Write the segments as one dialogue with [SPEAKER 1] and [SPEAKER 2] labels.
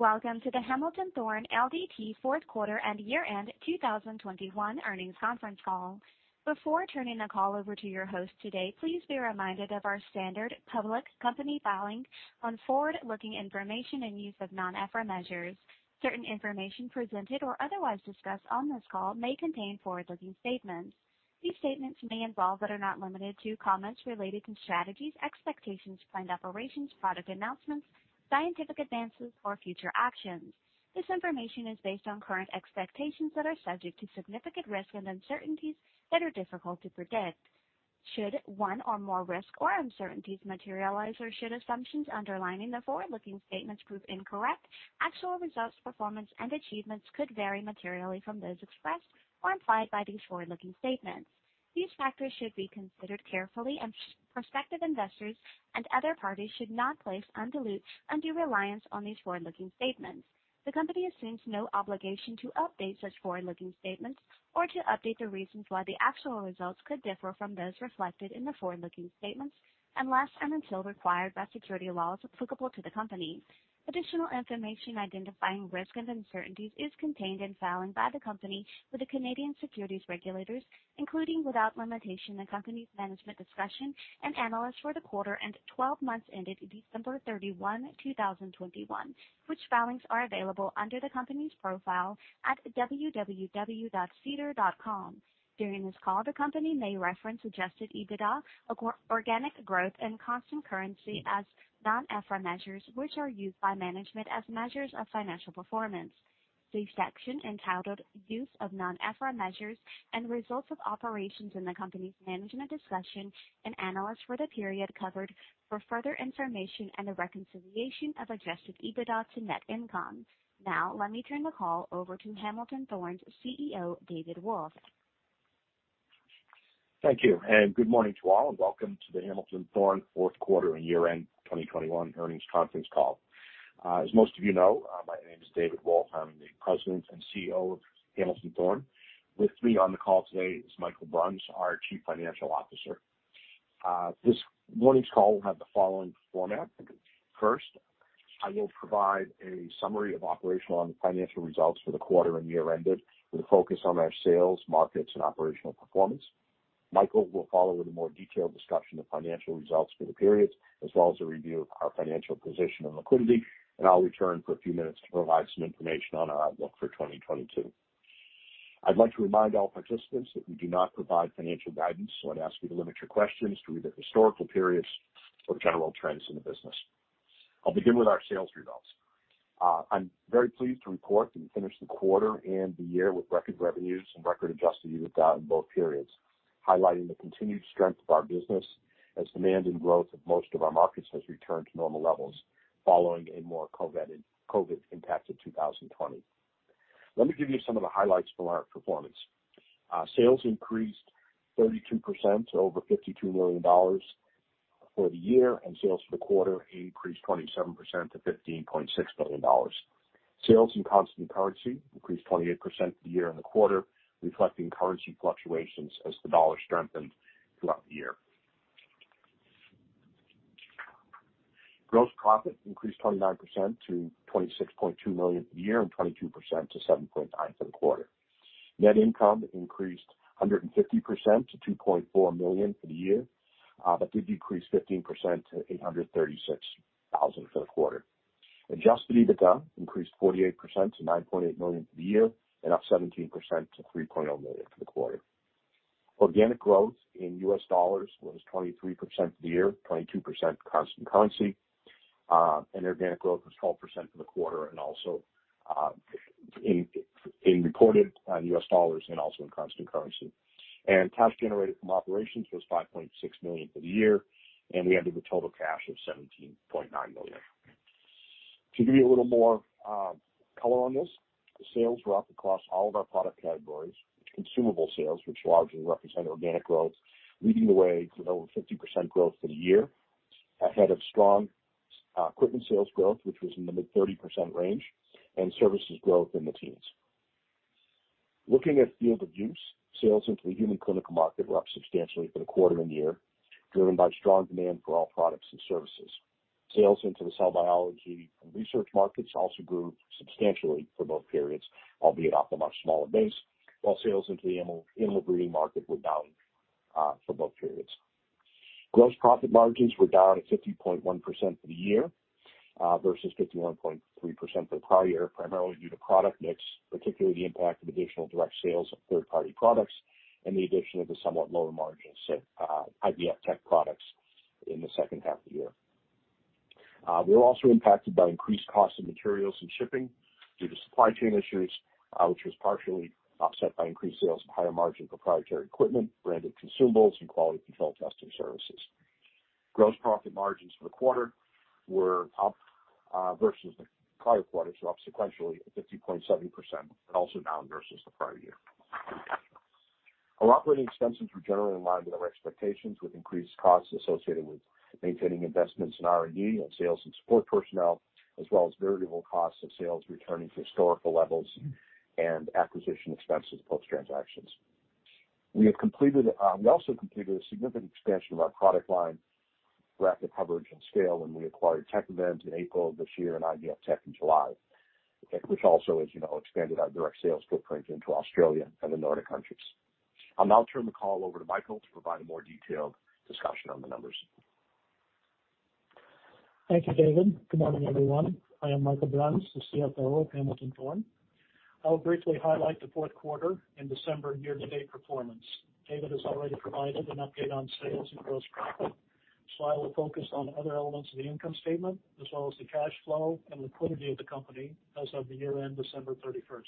[SPEAKER 1] Welcome to the Hamilton Thorne Ltd. Fourth Quarter and Year-End 2021 Earnings Conference Call. Before turning the call over to your host today, please be reminded of our standard public company filing on forward-looking information and use of non-IFRS measures. Certain information presented or otherwise discussed on this call may contain forward-looking statements. These statements may involve but are not limited to comments related to strategies, expectations, planned operations, product announcements, scientific advances, or future actions. This information is based on current expectations that are subject to significant risks and uncertainties that are difficult to predict. Should one or more risks or uncertainties materialize or should assumptions underlying the forward-looking statements prove incorrect, actual results, performance and achievements could vary materially from those expressed or implied by these forward-looking statements. These factors should be considered carefully, and prospective investors and other parties should not place undue reliance on these forward-looking statements. The company assumes no obligation to update such forward-looking statements or to update the reasons why the actual results could differ from those reflected in the forward-looking statements unless and until required by securities laws applicable to the company. Additional information identifying risks and uncertainties is contained in filings by the company with the Canadian Securities Regulators, including, without limitation, the company's Management's Discussion and Analysis for the quarter and 12-months ended December 31, 2021, which filings are available under the company's profile at www.sedar.com. During this call, the company may reference adjusted EBITDA, organic growth and constant currency as non-IFRS measures, which are used by management as measures of financial performance. Please see the section entitled use of Non-IFRS Measures and Results of Operations in the company's Management's Discussion and Analysis for the period covered for further information and a reconciliation of adjusted EBITDA to net income. Now, let me turn the call over to Hamilton Thorne's CEO, David Wolf.
[SPEAKER 2] Thank you, and good morning to all, and welcome to the Hamilton Thorne fourth quarter and year-end 2021 earnings conference call. As most of you know, my name is David Wolf. I'm the President and CEO of Hamilton Thorne. With me on the call today is Michael Bruns, our Chief Financial Officer. This morning's call will have the following format. First, I will provide a summary of operational and financial results for the quarter and year ended with a focus on our sales, markets and operational performance. Michael will follow with a more detailed discussion of financial results for the periods, as well as a review of our financial position and liquidity, and I'll return for a few minutes to provide some information on our outlook for 2022. I'd like to remind all participants that we do not provide financial guidance, so I'd ask you to limit your questions to either historical periods or general trends in the business. I'll begin with our sales results. I'm very pleased to report that we finished the quarter and the year with record revenues and record adjusted EBITDA in both periods, highlighting the continued strength of our business as demand and growth of most of our markets has returned to normal levels following a more COVID impacted 2020. Let me give you some of the highlights from our performance. Sales increased 32% to over $52 million for the year, and sales for the quarter increased 27% to $15.6 million. Sales in constant currency increased 28% for the year and the quarter, reflecting currency fluctuations as the dollar strengthened throughout the year. Gross profit increased 29% to $26.2 million for the year and 22% to $7.9 million for the quarter. Net income increased 150% to $2.4 million for the year, but did decrease 15% to $836,000 for the quarter. Adjusted EBITDA increased 48% to $9.8 million for the year and up 17% to $3.0 million for the quarter. Organic growth in U.S. dollars was 23% for the year, 22% constant currency, and organic growth was 12% for the quarter and also in reported U.S. dollars and also in constant currency. Cash generated from operations was $5.6 million for the year, and we ended with total cash of $17.9 million. To give you a little more color on this, the sales were up across all of our product categories. Consumable sales, which largely represent organic growth, leading the way with over 50% growth for the year, ahead of strong equipment sales growth, which was in the mid-30% range, and services growth in the teens. Looking at field of use, sales into the human clinical market were up substantially for the quarter and the year, driven by strong demand for all products and services. Sales into the cell biology and research markets also grew substantially for both periods, albeit off a much smaller base, while sales into the animal breeding market were down for both periods. Gross profit margins were down at 50.1% for the year versus 51.3% for the prior year, primarily due to product mix, particularly the impact of additional direct sales of third-party products and the addition of the somewhat lower margin, say, IVFtech products in the second half of the year. We were also impacted by increased cost of materials and shipping due to supply chain issues, which was partially offset by increased sales of higher margin proprietary equipment, branded consumables and quality control testing services. Gross profit margins for the quarter were up versus the prior quarter, so up sequentially at 50.7% and also down versus the prior year. Our operating expenses were generally in line with our expectations, with increased costs associated with maintaining investments in R&D and sales and support personnel, as well as variable costs of sales returning to historical levels and acquisition expenses post transactions. We also completed a significant expansion of our product line, rapid coverage and scale when we acquired Tek-Event in April this year and IVFtech in July, which also has, you know, expanded our direct sales footprint into Australia and the Nordic countries. I'll now turn the call over to Michael to provide a more detailed discussion on the numbers.
[SPEAKER 3] Thank you, David. Good morning, everyone. I am Michael Bruns, the CFO of Hamilton Thorne. I'll briefly highlight the fourth quarter and December year-to-date performance. David has already provided an update on sales and gross profit, so I will focus on other elements of the income statement as well as the cash flow and liquidity of the company as of the year-end, December 31.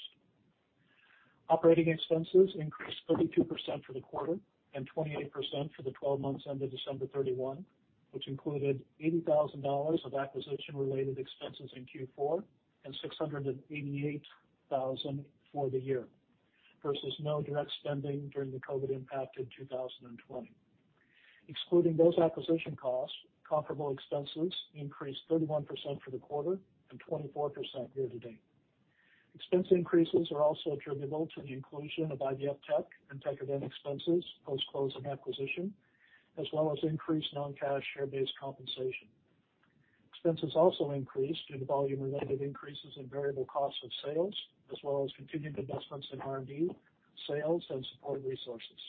[SPEAKER 3] Operating expenses increased 32% for the quarter and 28% for the 12 months ended December 31, which included $80,000 of acquisition-related expenses in Q4 and $688,000 for the year versus no direct spending during the COVID impact in 2020. Excluding those acquisition costs, comparable expenses increased 31% for the quarter and 24% year to date. Expense increases are also attributable to the inclusion of IVFtech and Tek-Event expenses post-closing acquisition, as well as increased non-cash share-based compensation. Expenses also increased due to volume-related increases in variable costs of sales as well as continued investments in R&D, sales, and support resources.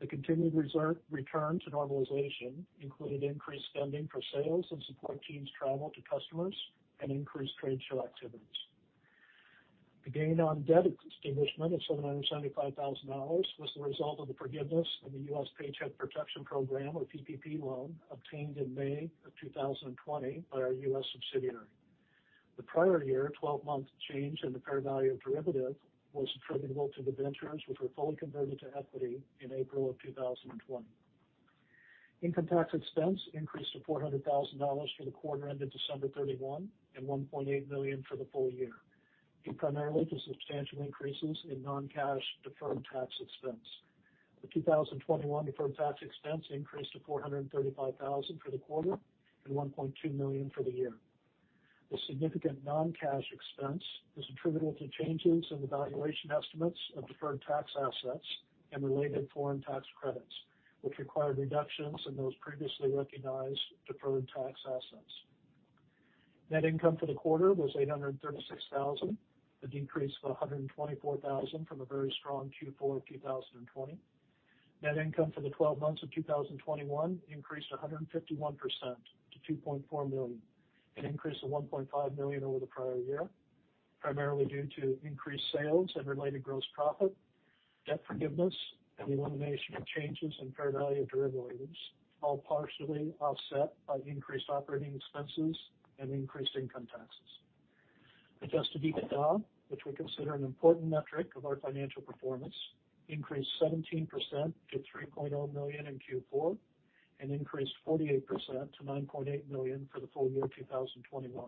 [SPEAKER 3] The continued return to normalization included increased spending for sales and support teams travel to customers and increased trade show activities. The gain on debt extinguishment of $775,000 was the result of the forgiveness of the U.S. Paycheck Protection Program or PPP loan obtained in May 2020 by our U.S. subsidiary. The prior year, 12-month change in the fair value of derivative was attributable to the warrants which were fully converted to equity in April 2020. Income tax expense increased to $400,000 for the quarter ended December 31 and $1.8 million for the full year, due primarily to substantial increases in non-cash deferred tax expense. The 2021 deferred tax expense increased to $435,000 for the quarter and $1.2 million for the year. The significant non-cash expense is attributable to changes in the valuation estimates of deferred tax assets and related foreign tax credits, which required reductions in those previously recognized deferred tax assets. Net income for the quarter was $836,000, a decrease of $124,000 from a very strong Q4 of 2020. Net income for the 12 months of 2021 increased 151% to $2.4 million, an increase of $1.5 million over the prior year, primarily due to increased sales and related gross profit, debt forgiveness, and the elimination of changes in fair value of derivatives, all partially offset by increased operating expenses and increased income taxes. Adjusted EBITDA, which we consider an important metric of our financial performance, increased 17% to $3.0 million in Q4 and increased 48% to $9.8 million for the full year 2021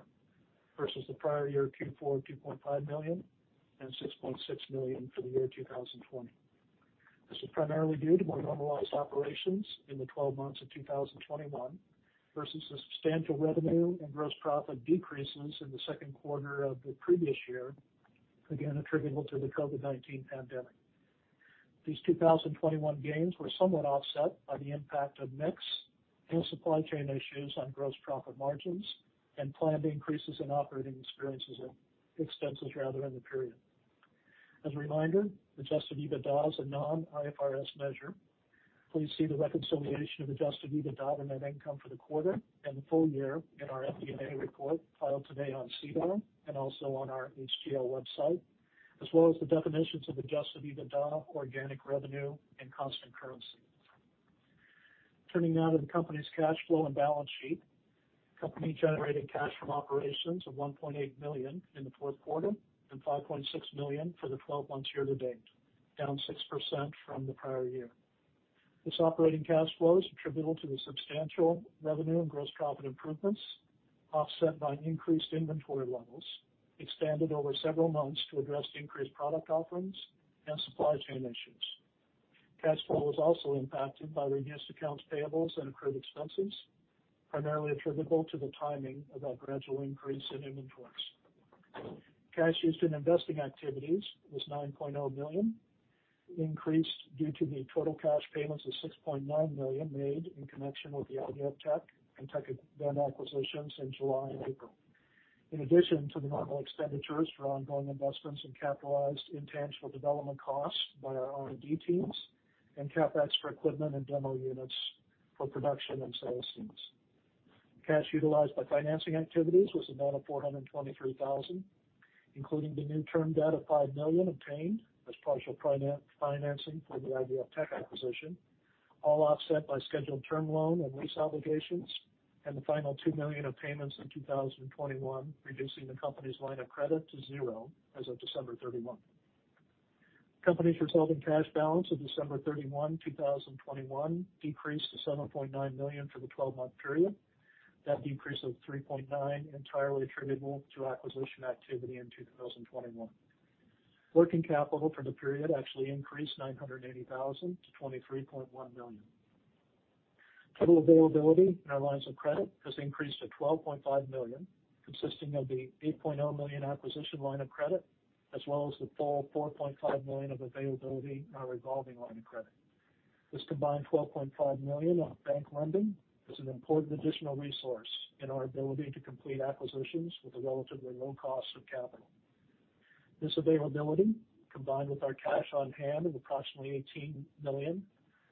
[SPEAKER 3] versus the prior year Q4, $2.5 million and $6.6 million for the year 2020. This is primarily due to more normalized operations in the 12 months of 2021 versus the substantial revenue and gross profit decreases in the second quarter of the previous year, again attributable to the COVID-19 pandemic. These 2021 gains were somewhat offset by the impact of mix and supply chain issues on gross profit margins and planned increases in operating expenses rather in the period. As a reminder, adjusted EBITDA is a non-IFRS measure. Please see the reconciliation of adjusted EBITDA and net income for the quarter and the full year in our MD&A report filed today on SEDAR and also on our HTL website, as well as the definitions of adjusted EBITDA, organic revenue, and constant currency. Turning now to the company's cash flow and balance sheet. company generated cash from operations of $1.8 million in the fourth quarter and $5.6 million for the 12-months year-to-date, down 6% from the prior year. This operating cash flow is attributable to the substantial revenue and gross profit improvements, offset by increased inventory levels, expanded over several months to address the increased product offerings and supply chain issues. Cash flow was also impacted by reduced accounts payable and accrued expenses, primarily attributable to the timing of our gradual increase in inventory. Cash used in investing activities was $9.0 million, increased due to the total cash payments of $6.9 million made in connection with the IVFtech and Tek-Event acquisitions in July and April. In addition to the normal expenditures for ongoing investments in capitalized intangible development costs by our R&D teams and CapEx for equipment and demo units for production and sales teams. Cash utilized by financing activities was a net of $423,000, including the new term debt of $5 million obtained as partial financing for the IVFtech acquisition, all offset by scheduled term loan and lease obligations, and the final $2 million of payments in 2021, reducing the company's line of credit to zero as of December 31. The company's resulting cash balance of December 31, 2021 decreased to $7.9 million for the 12-month period. That decrease of $3.9 million entirely attributable to acquisition activity in 2021. Working capital for the period actually increased $980,000 to $23.1 million. Total availability in our lines of credit has increased to $12.5 million, consisting of the $8.0 million acquisition line of credit, as well as the full $4.5 million of availability in our revolving line of credit. This combined $12.5 million of bank lending is an important additional resource in our ability to complete acquisitions with a relatively low cost of capital. This availability, combined with our cash on hand of approximately $18 million,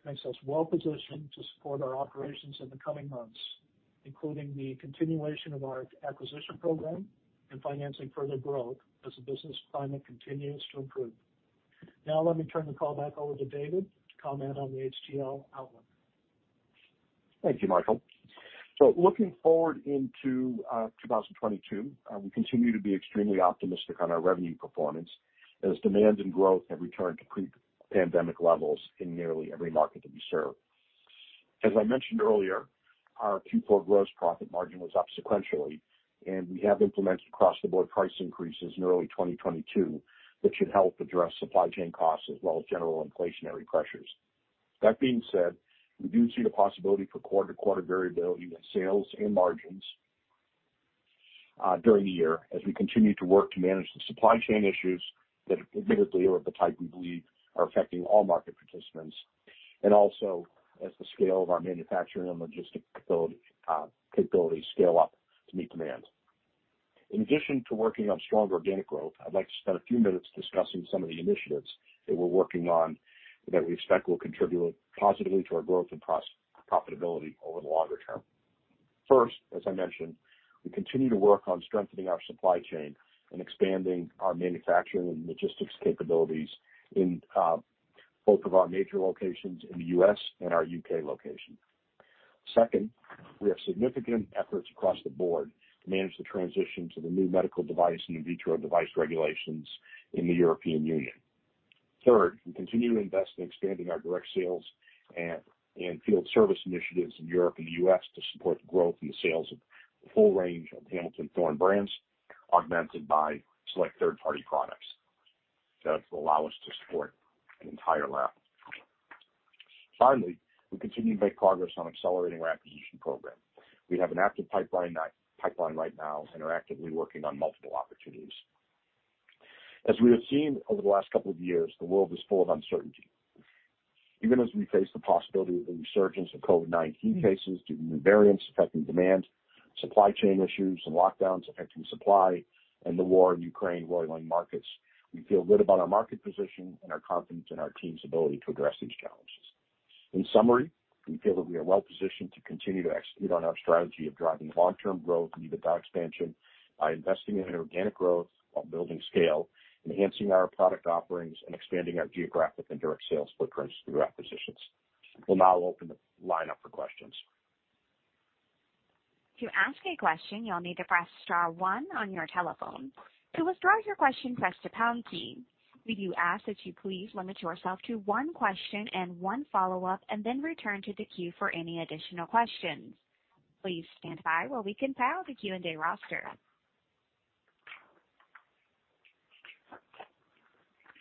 [SPEAKER 3] makes us well-positioned to support our operations in the coming months, including the continuation of our acquisition program and financing further growth as the business climate continues to improve. Now let me turn the call back over to David to comment on the HTL outlook.
[SPEAKER 2] Thank you, Michael. Looking forward into 2022, we continue to be extremely optimistic on our revenue performance as demand and growth have returned to pre-pandemic levels in nearly every market that we serve. As I mentioned earlier, our Q4 gross profit margin was up sequentially, and we have implemented across-the-board price increases in early 2022 that should help address supply chain costs as well as general inflationary pressures. That being said, we do see the possibility for quarter-to-quarter variability in sales and margins during the year as we continue to work to manage the supply chain issues that admittedly are of the type we believe are affecting all market participants, and also as the scale of our manufacturing and logistics capabilities scale up to meet demand. In addition to working on strong organic growth, I'd like to spend a few minutes discussing some of the initiatives that we're working on that we expect will contribute positively to our growth and profitability over the longer term. First, as I mentioned, we continue to work on strengthening our supply chain and expanding our manufacturing and logistics capabilities in both of our major locations in the U.S. and our U.K. location. Second, we have significant efforts across the board to manage the transition to the new medical device and in vitro device regulations in the European Union. Third, we continue to invest in expanding our direct sales and field service initiatives in Europe and the U.S. to support the growth and the sales of the full range of Hamilton Thorne brands, augmented by select third-party products that will allow us to support an entire lab. Finally, we continue to make progress on accelerating our acquisition program. We have an active pipeline right now and are actively working on multiple opportunities. As we have seen over the last couple of years, the world is full of uncertainty. Even as we face the possibility of a resurgence of COVID-19 cases due to new variants affecting demand, supply chain issues and lockdowns affecting supply, and the war in Ukraine roiling markets, we feel good about our market position and are confident in our team's ability to address these challenges. In summary, we feel that we are well positioned to continue to execute on our strategy of driving long-term growth and EBITDA expansion by investing in organic growth while building scale, enhancing our product offerings, and expanding our geographic and direct sales footprints through acquisitions. We'll now open the line up for questions.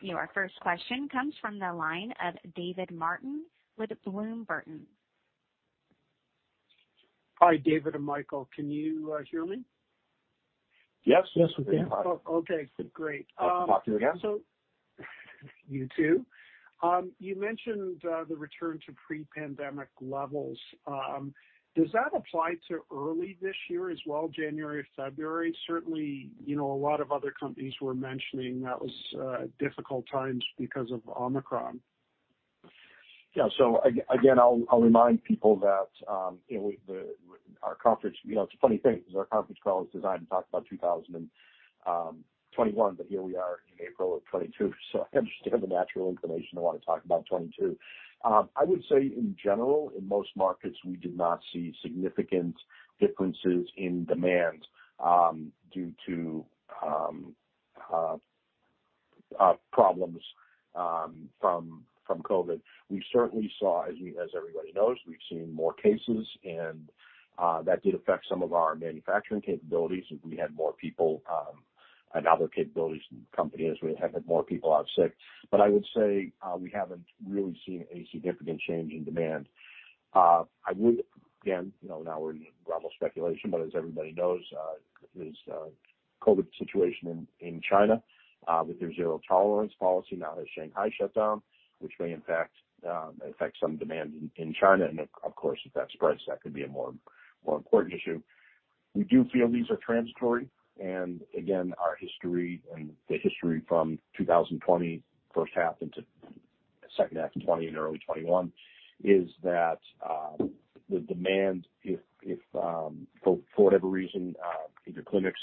[SPEAKER 1] Your first question comes from the line of David Martin with Bloom Burton.
[SPEAKER 4] Hi, David and Michael, can you hear me?
[SPEAKER 2] Yes.
[SPEAKER 3] Yes, we can.
[SPEAKER 4] Oh, okay, great.
[SPEAKER 2] Talk to you again.
[SPEAKER 4] You too. You mentioned the return to pre-pandemic levels. Does that apply to early this year as well, January, February? Certainly, you know, a lot of other companies were mentioning that was difficult times because of Omicron.
[SPEAKER 2] Yeah. Again, I'll remind people that, you know, our conference call is designed to talk about 2021, but here we are in April of 2022. I understand the natural inclination to wanna talk about 2022. I would say in general, in most markets, we did not see significant differences in demand due to problems from COVID. We certainly saw, as everybody knows, we've seen more cases and that did affect some of our manufacturing capabilities as we had more people and other capabilities in the company as we had more people out sick. I would say, we haven't really seen a significant change in demand. I would, again, you know, now we're into global speculation, but as everybody knows, COVID situation in China with their zero tolerance policy now has Shanghai shut down, which may impact or affect some demand in China, and of course, if that spreads, that could be a more important issue. We do feel these are transitory, and again, our history and the history from 2020 first half into second half of 2020 and early 2021 is that the demand, if for whatever reason, either clinics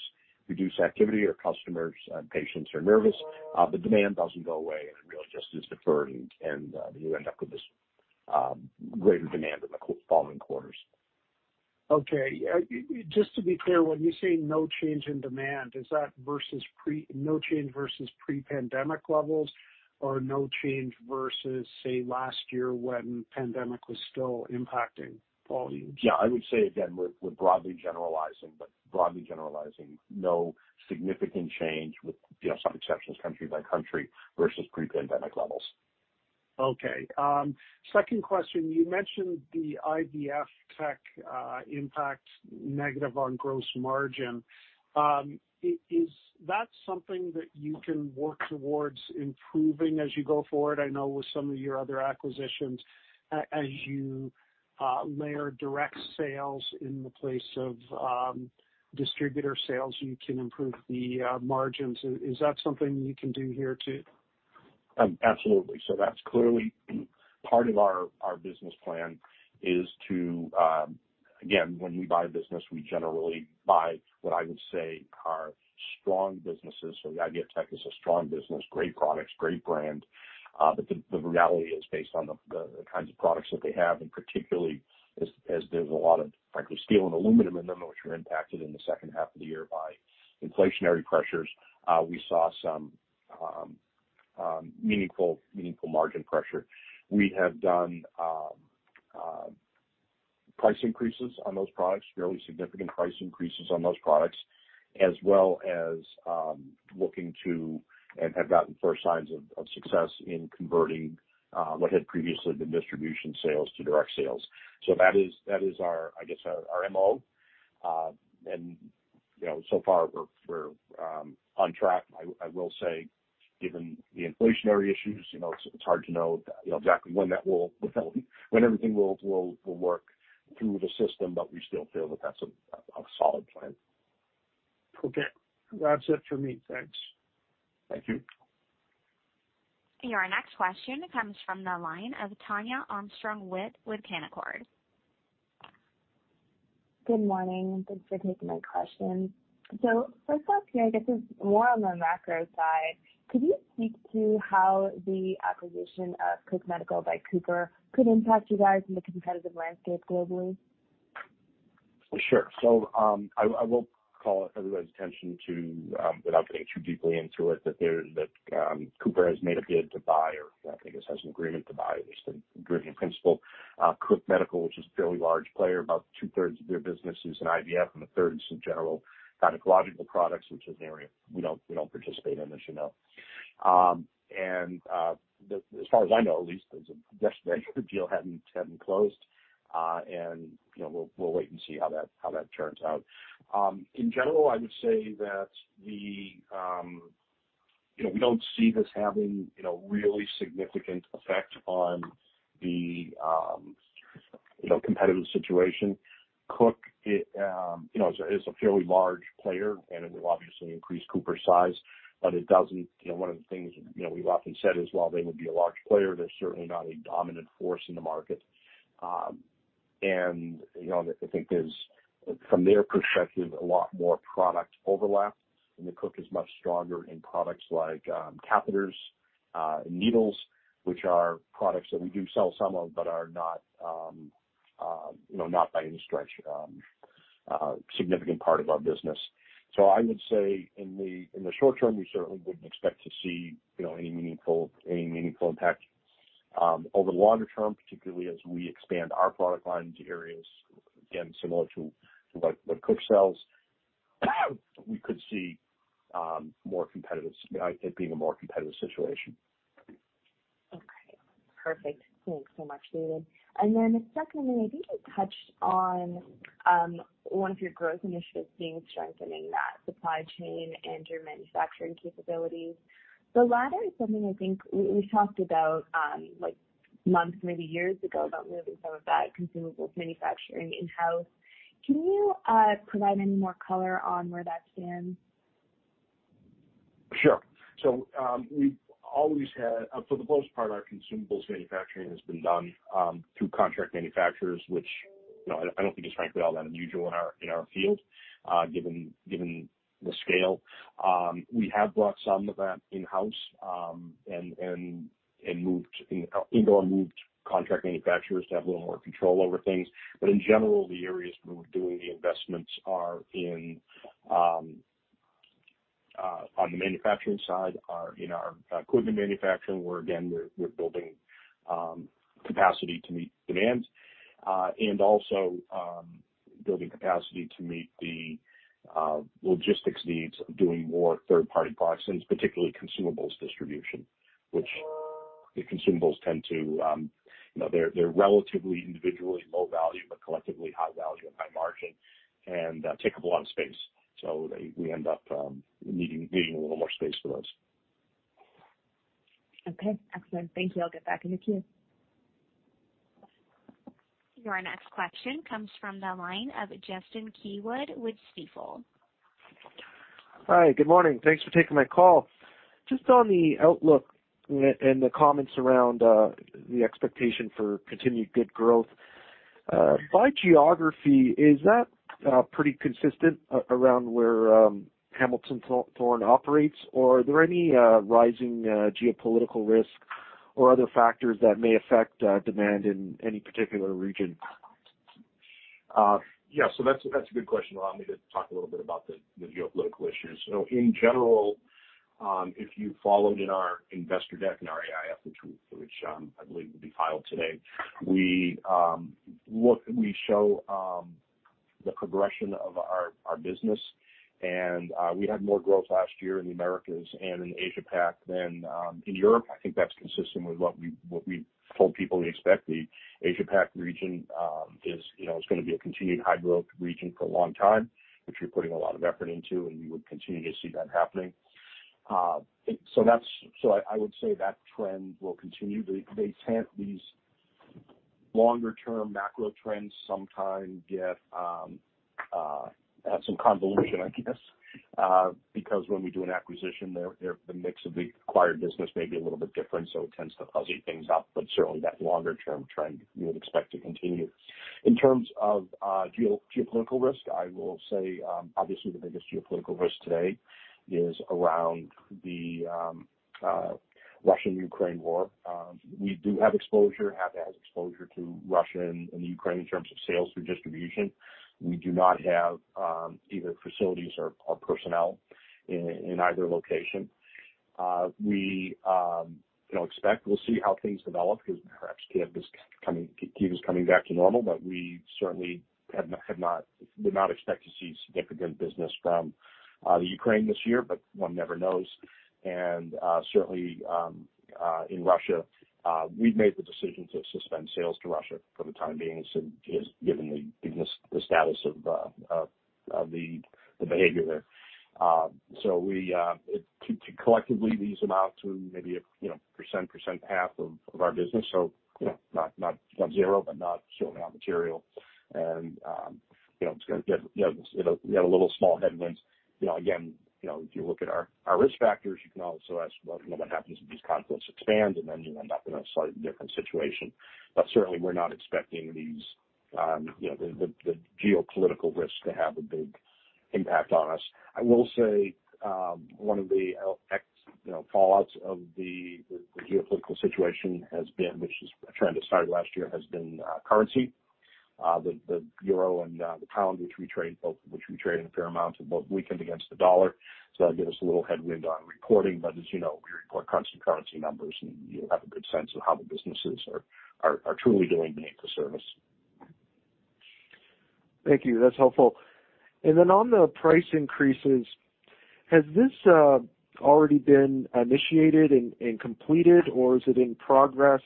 [SPEAKER 2] reduce activity or customers, patients are nervous, the demand doesn't go away and it really just is deferred and you end up with this greater demand in the following quarters.
[SPEAKER 4] Okay. Just to be clear, when you say no change in demand, is that no change versus pre-pandemic levels or no change versus, say, last year when pandemic was still impacting volumes?
[SPEAKER 2] Yeah. I would say again, we're broadly generalizing, but no significant change with, you know, some exceptions country by country versus pre-pandemic levels.
[SPEAKER 4] Okay. Second question. You mentioned the IVFtech negative impact on gross margin. Is that something that you can work towards improving as you go forward? I know with some of your other acquisitions, as you layer direct sales in the place of distributor sales, you can improve the margins. Is that something you can do here too?
[SPEAKER 2] Absolutely. That's clearly part of our business plan is to. Again, when we buy a business, we generally buy what I would say are strong businesses. The IVFtech is a strong business, great products, great brand. But the reality is based on the kinds of products that they have, and particularly as there's a lot of frankly steel and aluminum in them, which were impacted in the second half of the year by inflationary pressures, we saw some meaningful margin pressure. We have done price increases on those products, fairly significant price increases on those products, as well as looking to and have gotten first signs of success in converting what had previously been distribution sales to direct sales. That is our, I guess, our MO. So far we're on track. I will say given the inflationary issues, you know, it's hard to know, you know, exactly when everything will work through the system, but we still feel that that's a solid plan.
[SPEAKER 4] Okay. That's it for me. Thanks.
[SPEAKER 2] Thank you.
[SPEAKER 1] Your next question comes from the line of Tania Armstrong-Whitworth with Canaccord.
[SPEAKER 5] Good morning, and thanks for taking my question. First off here, I guess, is more on the macro side. Could you speak to how the acquisition of Cook Medical by Cooper could impact you guys in the competitive landscape globally?
[SPEAKER 2] Sure. I will call everybody's attention to, without getting too deeply into it, that Cooper has made a bid to buy or I think has an agreement to buy, there's an agreement in principle, Cook Medical, which is a fairly large player. About two-thirds of their business is in IVF, and a third is in general gynecological products, which is an area we don't participate in, as you know. As far as I know, at least as of yesterday, the deal hadn't closed. You know, we'll wait and see how that turns out. In general, I would say that, you know, we don't see this having, you know, really significant effect on the competitive situation. Cook Medical, you know, is a fairly large player, and it will obviously increase Cooper's size, but it doesn't. You know, one of the things, you know, we've often said is while they would be a large player, they're certainly not a dominant force in the market. You know, I think there's, from their perspective, a lot more product overlap, and that Cook Medical is much stronger in products like catheters and needles, which are products that we do sell some of, but are not, you know, not by any stretch, a significant part of our business. I would say in the short term, we certainly wouldn't expect to see, you know, any meaningful impact. Over the longer term, particularly as we expand our product line into areas, again, similar to what Cook sells, we could see it being a more competitive situation.
[SPEAKER 5] Okay. Perfect. Thanks so much, David. Then secondly, I think you touched on one of your growth initiatives being strengthening that supply chain and your manufacturing capabilities. The latter is something I think we've talked about like months, maybe years ago, about moving some of that consumables manufacturing in-house. Can you provide any more color on where that stands?
[SPEAKER 2] Sure. We've always had, for the most part, our consumables manufacturing has been done through contract manufacturers, which, you know, I don't think is frankly all that unusual in our field, given the scale. We have brought some of that in-house and moved contract manufacturers to have a little more control over things. In general, the areas where we're doing the investments are, on the manufacturing side, in our equipment manufacturing, where again, we're building capacity to meet demands. Building capacity to meet the logistics needs of doing more third-party products and particularly consumables distribution, which the consumables tend to, you know, they're relatively individually low value, but collectively high value and high margin and take up a lot of space. We end up needing a little more space for those.
[SPEAKER 5] Okay. Excellent. Thank you. I'll give back in the queue.
[SPEAKER 1] Your next question comes from the line of Justin Keywood with Stifel.
[SPEAKER 6] Hi. Good morning. Thanks for taking my call. Just on the outlook and the comments around the expectation for continued good growth. By geography, is that pretty consistent around where Hamilton Thorne operates? Or are there any rising geopolitical risk or other factors that may affect demand in any particular region?
[SPEAKER 2] That's a good question. Allow me to talk a little bit about the geopolitical issues. In general, if you followed in our investor deck and our AIF, which I believe will be filed today, we show the progression of our business. We had more growth last year in the Americas and in Asia-Pac than in Europe. I think that's consistent with what we told people to expect. The Asia-Pac region is, you know, gonna be a continued high growth region for a long time, which we're putting a lot of effort into, and we would continue to see that happening. I would say that trend will continue. They tend. These longer term macro trends sometimes get some convolution, I guess. Because when we do an acquisition there, the mix of the acquired business may be a little bit different, so it tends to fuzzy things up. But certainly that longer term trend you would expect to continue. In terms of geopolitical risk, I will say obviously the biggest geopolitical risk today is around the Russian-Ukraine war. We do have exposure to Russia and Ukraine in terms of sales through distribution. We do not have either facilities or personnel in either location. We, you know, expect we'll see how things develop because perhaps Kiev is coming back to normal, but we certainly did not expect to see significant business from the Ukraine this year, but one never knows. Certainly in Russia we've made the decision to suspend sales to Russia for the time being, so just given the status of the behavior there. Collectively, these amount to maybe a half percent of our business. You know, not zero, but certainly not material. You know, it's gonna get a little small headwinds. You know, again, if you look at our risk factors, you can also ask, "Well, you know, what happens if these conflicts expand?" Then you end up in a slightly different situation. But certainly we're not expecting the geopolitical risk to have a big impact on us. I will say, one of the fallouts of the geopolitical situation, which is a trend that started last year, has been currency. The euro and the pound, which we trade in a fair amount of both, weakened against the dollar. That'll give us a little headwind on reporting. As you know, we report constant currency numbers, and you have a good sense of how the businesses are truly doing beneath the surface.
[SPEAKER 6] Thank you. That's helpful. On the price increases, has this already been initiated and completed or is it in progress?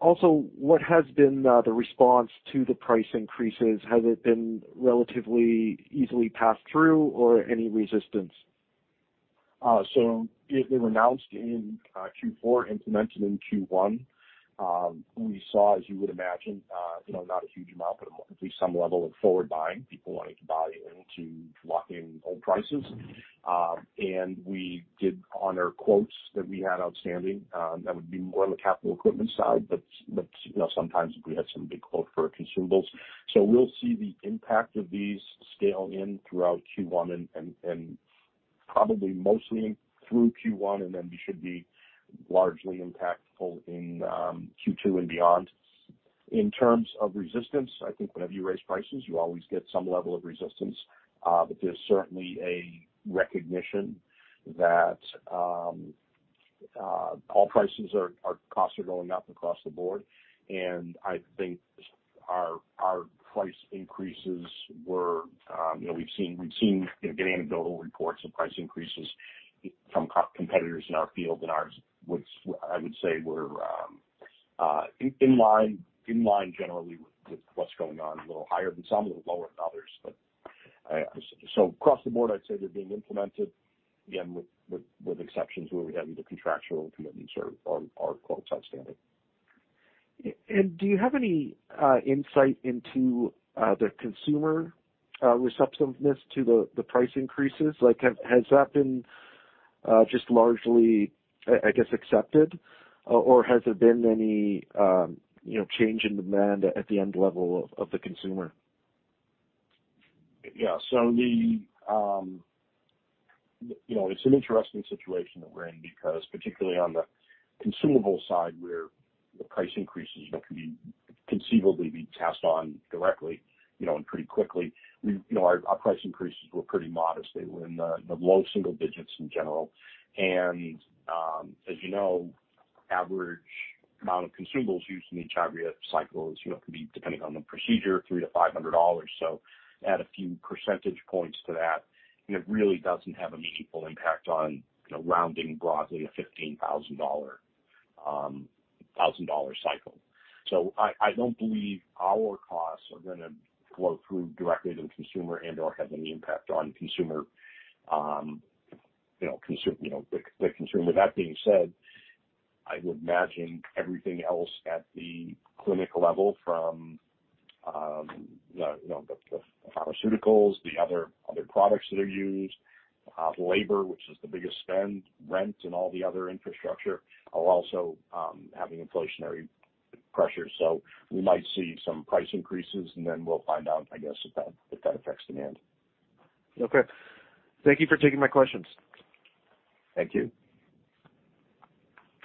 [SPEAKER 6] Also what has been the response to the price increases? Has it been relatively easily passed through or any resistance?
[SPEAKER 2] It was announced in Q4, implemented in Q1. We saw, as you would imagine, you know, not a huge amount, but at least some level of forward buying, people wanting to buy into locking old prices. We did honor quotes that we had outstanding, that would be more on the capital equipment side. You know, sometimes we had some big quotes for our consumables. We'll see the impact of these scale in throughout Q1 and probably mostly through Q1, and then we should be largely impactful in Q2 and beyond. In terms of resistance, I think whenever you raise prices, you always get some level of resistance. There's certainly a recognition that our costs are going up across the board. I think our price increases were, you know, we've seen, you know, getting anecdotal reports of price increases from competitors in our field, and ours was, I would say were, in line generally with what's going on, a little higher than some, a little lower than others. So across the board, I'd say they're being implemented, again, with exceptions where we have either contractual commitments or our quotes outstanding.
[SPEAKER 6] Do you have any insight into the consumer receptiveness to the price increases? Like, has that been just largely, I guess, accepted? Or has there been any, you know, change in demand at the end level of the consumer?
[SPEAKER 2] Yeah. It's an interesting situation that we're in because particularly on the consumable side where the price increases, you know, can conceivably be passed on directly, you know, and pretty quickly. You know, our price increases were pretty modest. They were in the low single digits% in general. As you know, average amount of consumables used in each IVF cycle, you know, could be depending on the procedure, $300-$500. Add a few percentage points to that, and it really doesn't have a meaningful impact on, you know, rounding broadly a $15,000 cycle. I don't believe our costs are gonna flow through directly to the consumer and/or have any impact on the consumer. That being said, I would imagine everything else at the clinic level from the, you know, the pharmaceuticals, the other products that are used, labor, which is the biggest spend, rent and all the other infrastructure are also having inflationary pressure. We might see some price increases, and then we'll find out, I guess, if that affects demand.
[SPEAKER 6] Okay. Thank you for taking my questions.
[SPEAKER 2] Thank you.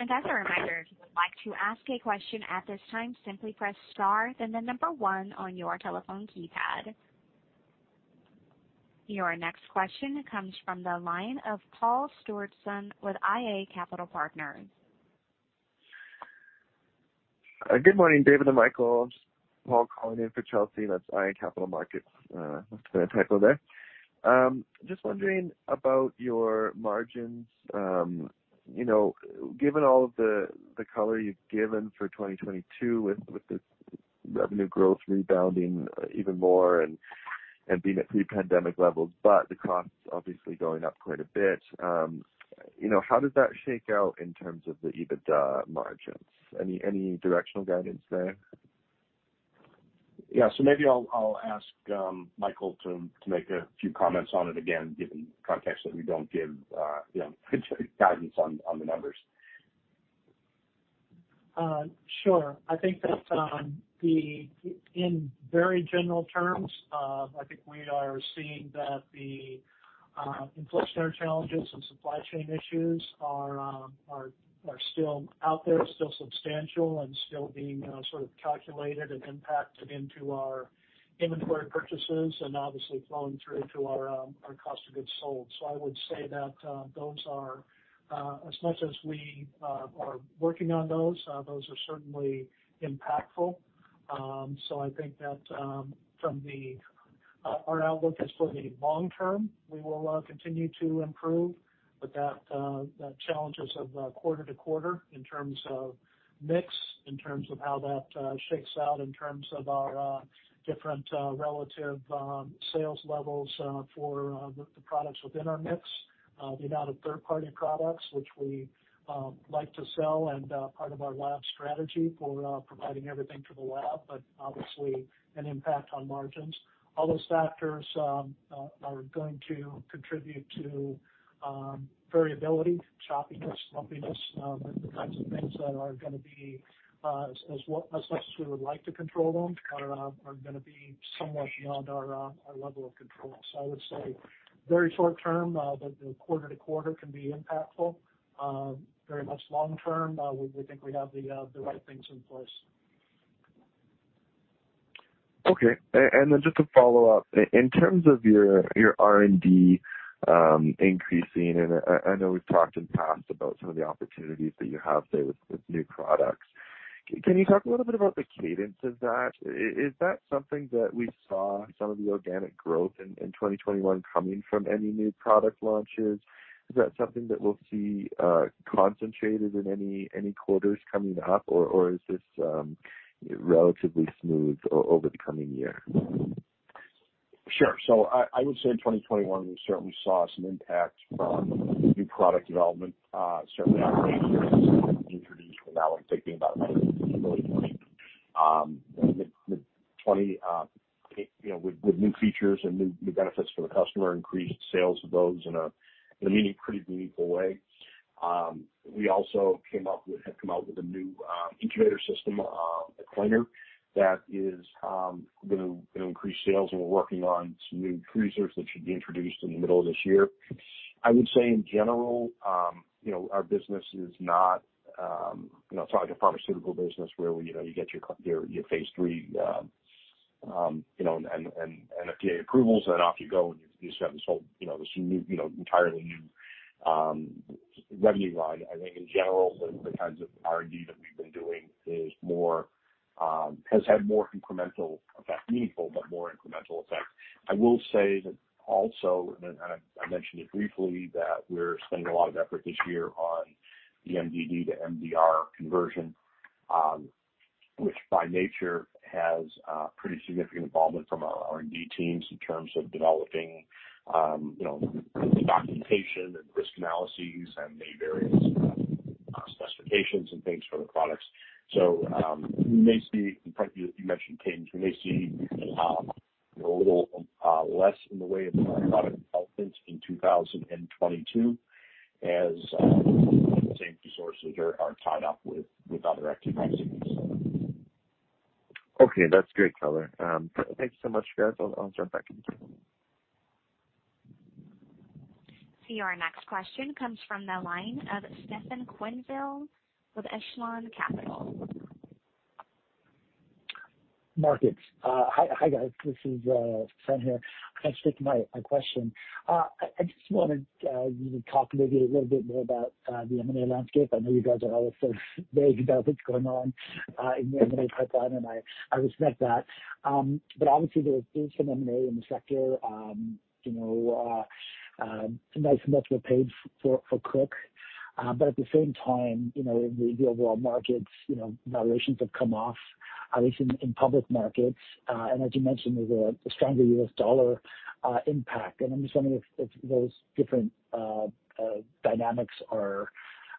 [SPEAKER 1] As a reminder, if you would like to ask a question at this time, simply press star then the number one on your telephone keypad. Your next question comes from the line of Paul Stewardson with iA Capital Partners.
[SPEAKER 7] Good morning, David and Michael. Paul calling in for Chelsea. That's iA Capital Markets. Must have been a typo there. Just wondering about your margins. You know, given all of the color you've given for 2022 with the revenue growth rebounding even more and being at pre-pandemic levels, but the costs obviously going up quite a bit, you know, how does that shake out in terms of the EBITDA margins? Any directional guidance there?
[SPEAKER 2] Yeah. Maybe I'll ask Michael to make a few comments on it again, given context that we don't give you know guidance on the numbers.
[SPEAKER 3] Sure. I think that in very general terms, I think we are seeing that the inflationary challenges and supply chain issues are still out there, still substantial and still being sort of calculated and impacted into our inventory purchases and obviously flowing through to our cost of goods sold. I would say that those are, as much as we are working on those are certainly impactful. I think that our outlook is for the long term. We will continue to improve, but those challenges of quarter to quarter in terms of mix, in terms of how that shakes out in terms of our different relative sales levels for the products within our mix, the amount of third-party products which we like to sell and part of our lab strategy for providing everything to the lab, but obviously an impact on margins. All those factors are going to contribute to variability, choppiness, lumpiness, the types of things that are gonna be, as much as we would like to control them, are gonna be somewhat beyond our level of control. I would say very short term, the quarter-to-quarter can be impactful. Very much long term, we think we have the right things in place.
[SPEAKER 7] Okay. To follow up, in terms of your R&D increasing, and I know we've talked in the past about some of the opportunities that you have there with new products. Can you talk a little bit about the cadence of that? Is that something that we saw some of the organic growth in 2021 coming from any new product launches? Is that something that we'll see concentrated in any quarters coming up, or is this relatively smooth over the coming year?
[SPEAKER 2] Sure. I would say in 2021, we certainly saw some impact from new product development, certainly one introduced. Now I'm thinking about mid-2020, with new features and new benefits for the customer, increased sales of those in a pretty meaningful way. We also have come out with a new incubator system, a cleaner that is gonna increase sales, and we're working on some new freezers that should be introduced in the middle of this year. I would say in general, you know, our business is not, you know, it's not like a pharmaceutical business where, you know, you get your phase III and MD&A approvals, and off you go, and you've got this whole, you know, this new, you know, entirely new revenue line. I think in general, the kinds of R&D that we've been doing is more, has had more incremental effect, meaningful, but more incremental effect. I will say that also, and I mentioned it briefly, that we're spending a lot of effort this year on the MDD to MDR conversion, which by nature has pretty significant involvement from our R&D teams in terms of developing, you know, the documentation and risk analyses and the various specifications and things for the products. We may see the point that you mentioned, James. We may see a little less in the way of new product developments in 2022 as the same resources are tied up with other activities.
[SPEAKER 7] Okay. That's great color. Thank you so much, guys. I'll jump back in.
[SPEAKER 1] See our next question comes from the line of Stefan Quenneville with Echelon Capital.
[SPEAKER 8] Hi, guys. This is Stefan here. I stick to my question. I just wanted you to talk maybe a little bit more about the M&A landscape. I know you guys are always so vague about what's going on in the M&A pipeline, and I respect that. Obviously, there is some M&A in the sector. You know, nice multiple paid for Cook. At the same time, you know, the overall markets, you know, valuations have come off, at least in public markets. As you mentioned, there's a stronger U.S. dollar impact. I'm just wondering if those different dynamics are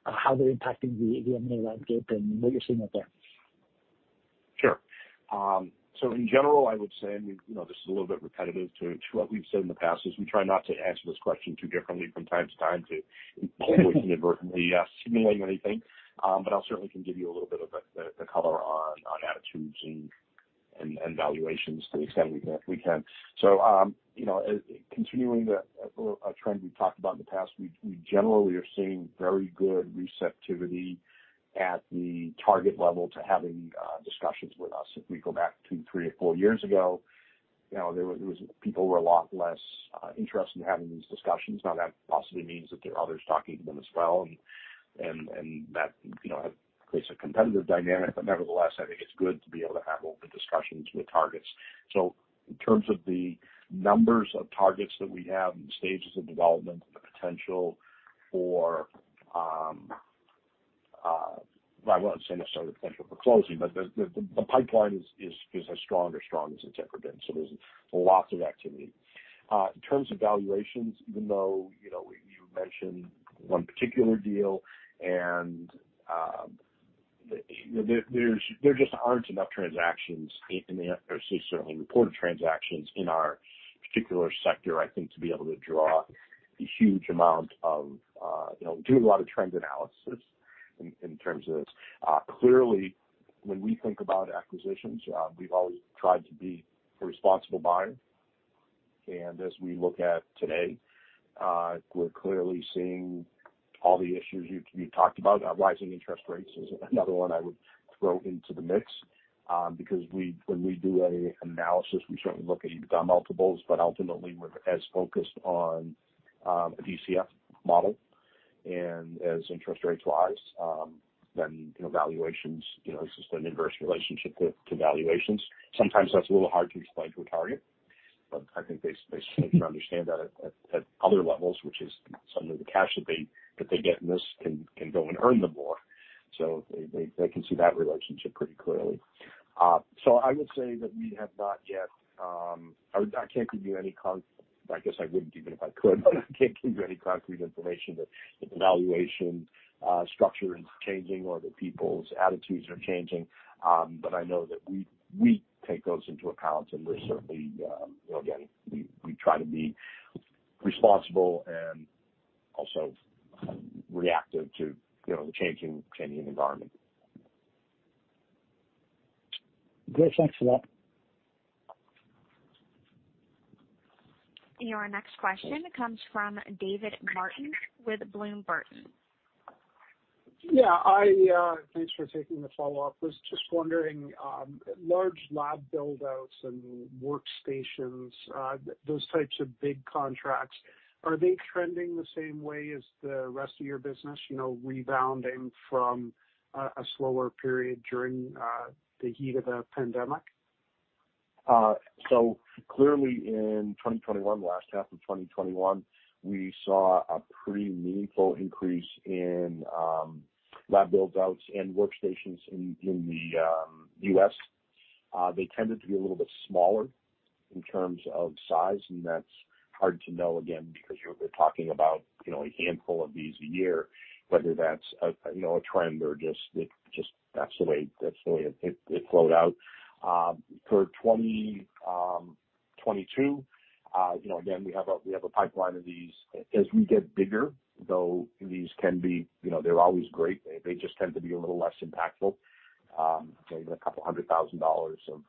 [SPEAKER 8] how they're impacting the M&A landscape and what you're seeing out there.
[SPEAKER 2] Sure. In general, I would say, you know, this is a little bit repetitive to what we've said in the past, is we try not to answer this question too differently from time to time to inadvertently signaling anything. But I'll certainly can give you a little bit of the color on attitudes and valuations to the extent we can. Continuing a trend we've talked about in the past, we generally are seeing very good receptivity at the target level to having discussions with us. If we go back two, three or four years ago, you know, there was people were a lot less interested in having these discussions. That possibly means that there are others talking to them as well, that, you know, creates a competitive dynamic. Nevertheless, I think it's good to be able to have open discussions with targets. In terms of the numbers of targets that we have and the stages of development and the potential for, well, I wouldn't say necessarily the potential for closing, but the pipeline is as strong as it's ever been. There's lots of activity. In terms of valuations, even though, you know, you mentioned one particular deal and, there just aren't enough transactions in the M&A or certainly reported transactions in our particular sector, I think, to be able to, you know, do a lot of trend analysis in terms of this. Clearly, when we think about acquisitions, we've always tried to be a responsible buyer. As we look at today, we're clearly seeing all the issues you talked about. Rising interest rates is another one I would throw into the mix, because when we do an analysis, we certainly look at EBITDA multiples, but ultimately, we're also focused on a DCF model. As interest rates rise, then valuations, you know, it's just an inverse relationship to valuations. Sometimes that's a little hard to explain to a target, but I think they seem to understand that at other levels, which is some of the cash that they get in this case can go and earn them more. They can see that relationship pretty clearly. I would say that we have not yet, or I can't give you any concrete information that the valuation structure is changing or that people's attitudes are changing. I know that we take those into account, and we're certainly, you know, again, we try to be responsible and also reactive to, you know, the changing environment.
[SPEAKER 8] Great. Thanks for that.
[SPEAKER 1] Your next question comes from David Martin with Bloom Burton.
[SPEAKER 4] Yeah, thanks for taking the follow-up. Was just wondering, large lab build-outs and workstations, those types of big contracts, are they trending the same way as the rest of your business, you know, rebounding from a slower period during the heat of the pandemic?
[SPEAKER 2] Clearly in 2021, the last half of 2021, we saw a pretty meaningful increase in lab build-outs and workstations in the U.S. They tended to be a little bit smaller in terms of size, and that's hard to know, again, because you're talking about, you know, a handful of these a year, whether that's a trend or just that's the way it flowed out. For 2022, you know, again, we have a pipeline of these. As we get bigger, though, these can be, you know, they're always great. They just tend to be a little less impactful. You know, even a couple hundred thousand dollars of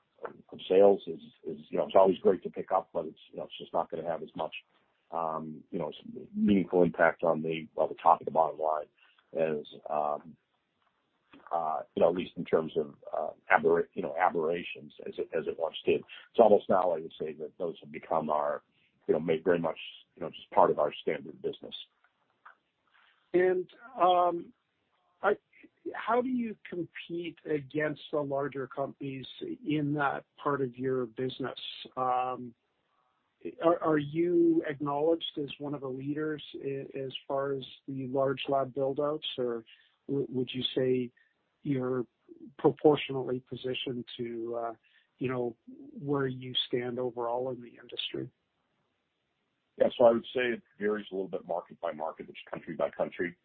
[SPEAKER 2] sales is, you know, it's always great to pick up, but it's, you know, it's just not gonna have as much, you know, meaningful impact on the top and the bottom line as, you know, at least in terms of aberrations as it once did. It's almost now. I would say that those have become our, you know, may very much, you know, just part of our standard business.
[SPEAKER 4] How do you compete against the larger companies in that part of your business? Are you acknowledged as one of the leaders as far as the large lab build-outs, or would you say you're proportionally positioned to, you know, where you stand overall in the industry?
[SPEAKER 2] Yeah. I would say it varies a little bit market by market and country by country.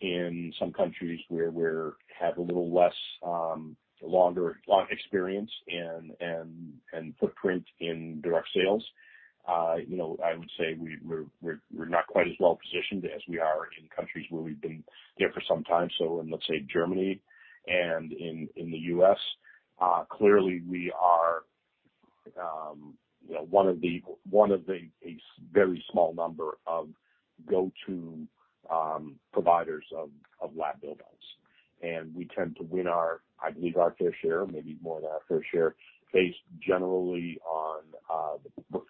[SPEAKER 2] In some countries where we have a little less longer experience and footprint in direct sales, you know, I would say we're not quite as well positioned as we are in countries where we've been there for some time. In, let's say, Germany and in the U.S., clearly we are, you know, one of the a very small number of go-to providers of lab build-outs. We tend to win our fair share, I believe, maybe more than our fair share, based generally on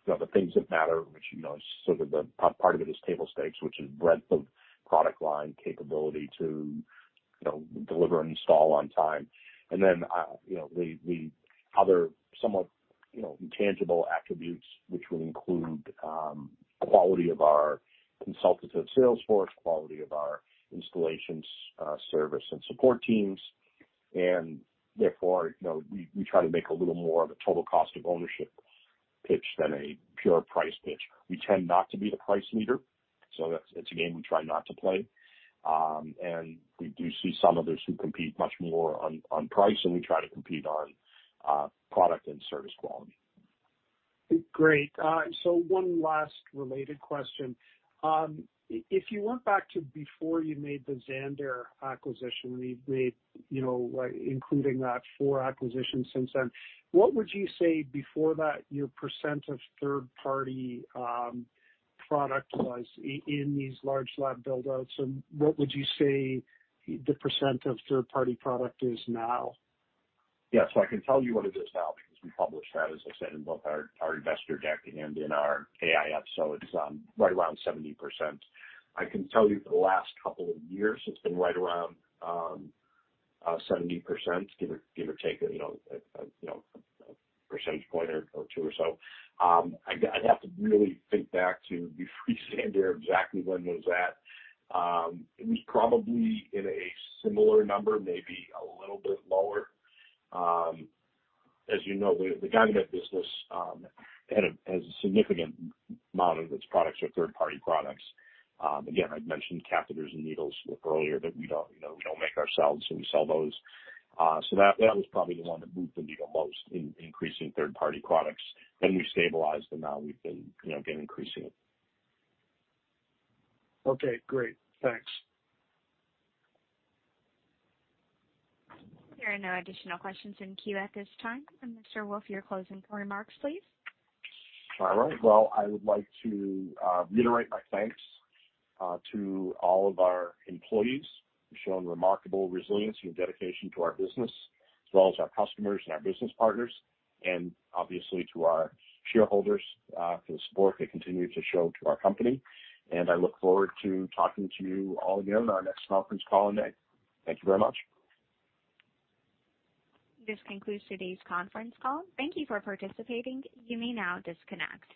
[SPEAKER 2] the things that matter, which you know is sort of the part of it is table stakes, which is breadth of product line capability to you know deliver and install on time. You know the other somewhat you know intangible attributes, which would include quality of our consultative sales force, quality of our installations, service and support teams. You know we try to make a little more of a total cost of ownership pitch than a pure price pitch. We tend not to be the price leader, so it's a game we try not to play. We do see some others who compete much more on price, and we try to compete on product and service quality.
[SPEAKER 4] Great. One last related question. If you went back to before you made the ZANDAIR acquisition, you've made, you know, including that, four acquisitions since then. What would you say before that your percent of third-party product was in these large lab build-outs, and what would you say the percent of third-party product is now?
[SPEAKER 2] Yeah. I can tell you what it is now because we published that, as I said, in both our investor deck and in our AIF. It's right around 70%. I can tell you for the last couple of years, it's been right around 70%, give or take, you know, a percentage point or two or so. I'd have to really think back to before ZANDAIR exactly when was that. It was probably in a similar number, maybe a little bit lower. As you know, the Gynemed business has a significant amount of its products are third-party products. Again, I'd mentioned catheters and needles earlier that we don't, you know, we don't make ourselves, so we sell those. That was probably the one that moved the needle most in increasing third-party products. We've stabilized, and now we've been, you know, again, increasing it.
[SPEAKER 4] Okay, great. Thanks.
[SPEAKER 1] There are no additional questions in queue at this time. Mr. Wolf, your closing remarks, please.
[SPEAKER 2] All right. Well, I would like to reiterate my thanks to all of our employees who've shown remarkable resilience and dedication to our business as well as our customers and our business partners, and obviously to our shareholders for the support they continue to show to our company. I look forward to talking to you all again on our next conference call event. Thank you very much.
[SPEAKER 1] This concludes today's conference call. Thank you for participating. You may now disconnect.